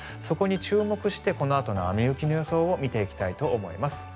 そこに注目してこのあとの雨、雪の予想を見ていきます。